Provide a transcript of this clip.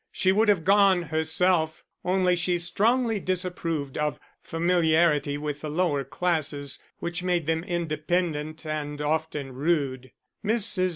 She would have gone herself, only she strongly disapproved of familiarity with the lower classes, which made them independent and often rude. Mrs.